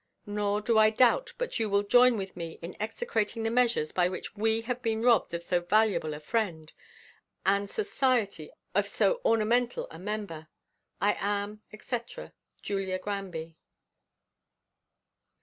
Nor do I doubt but you will join with me in execrating the measures by which we have been robbed of so valuable a friend, and society of so ornamental a member. I am, &c., JULIA GRANBY.